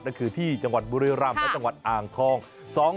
นั่นคือที่จังหวัดบุรีรำและจังหวัดอ่างทอง